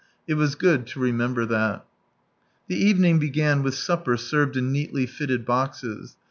It was good to remember that ! The evening began with supper served in neatly fitted boxes.